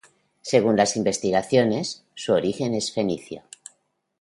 Según las investigaciones, su origen es fenicio.